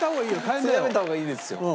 それやめた方がいいですよ。